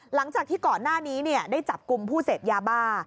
หลังจากที่ก่อนหน้านี้ได้จับกลุ่มผู้เสพยาบ้า